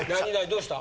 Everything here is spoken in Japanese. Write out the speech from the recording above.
どうした？